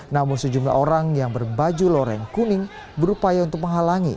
namun sejumlah orang yang berbaju loreng kuning berupaya untuk menghalangi